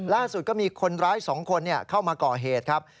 ล่าสุดก็มีคนร้าย๒คนเข้ามาก่อเหตุครับ